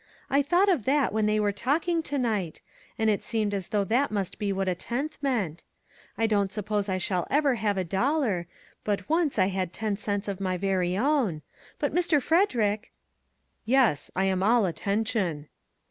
I thought of that when they were talk ing to night, and it seemed as though that must be what a tenth meant. I don't suppose I shall ever have a dollar, but once I had ten cents of my very own ; but Mr. Frederick "" Yes, I am all attention."